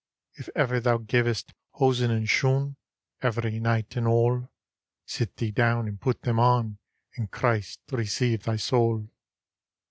If ever thou gavest hosen and shoon, — Every nighte and alle. Sit thee down and put them on ; And Christe receive thy saule.